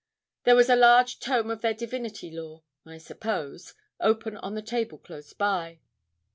There was a large tome of their divinity lore, I suppose, open on the table close by.